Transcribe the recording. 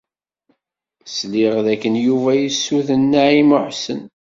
Sliɣ d akken Yuba yessuden Naɛima u Ḥsen.